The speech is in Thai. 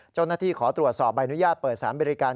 เจ้าหน้าที่ขอตรวจสอบใบอนุญาตเปิดสารบริการ